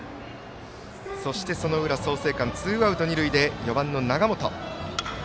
そしてその裏、創成館ツーアウト、二塁で４番の永本。